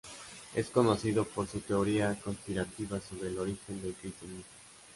Es conocido por su teoría conspirativa sobre el origen del cristianismo.